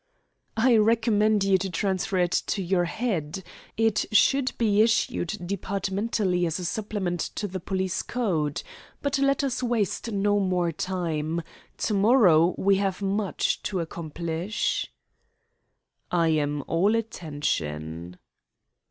"I recommend you to transfer it to your head. It should be issued departmentally as a supplement to the Police Code. But let us waste no more time. To morrow we have much to accomplish." "I am all attention."